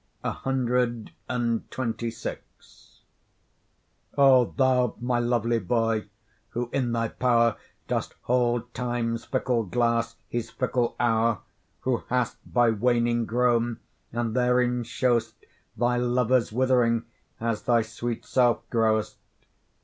CXXVI O thou, my lovely boy, who in thy power Dost hold Time's fickle glass, his fickle hour; Who hast by waning grown, and therein show'st Thy lovers withering, as thy sweet self grow'st.